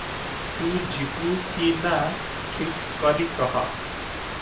ତୁ ଯିବୁ କି ନାଁ, ଠିକ୍ କରି କହ ।